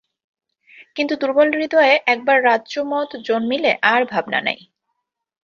কিন্তু দুর্বল হৃদয়ে একবার রাজ্যমদ জন্মিলে আর ভাবনা নাই।